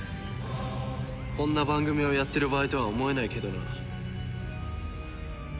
こんな番組をやってる場合とは思えないけどな。